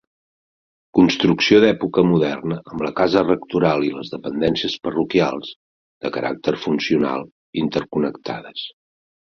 Construcció d'època moderna amb la casa rectoral i les dependències parroquials, de caràcter funcional, interconnectades.